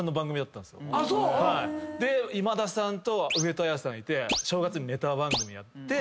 で今田さんと上戸彩さんいて正月にネタ番組やって。